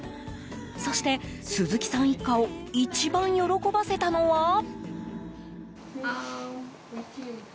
そして、鈴木さん一家を一番喜ばせたのは。